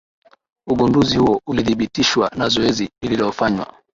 Ugunduzi huo ulithibitishwa na zoezi lililofanywa.